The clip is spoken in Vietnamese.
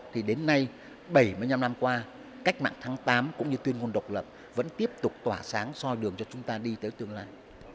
thì đến nay bảy mươi năm năm qua cách mạng tháng tám cũng như tuyên ngôn độc lập vẫn tiếp tục tỏa sáng soi đường cho chúng ta đi tới tương lai